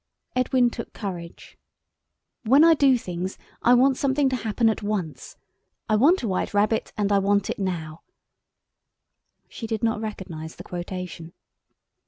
Edwin took courage. "When I do things I want something to happen at once. 'I want a white rabbit and I want it now.'" She did not recognise the quotation.